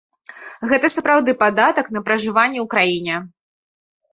Гэта сапраўды падатак на пражыванне ў краіне.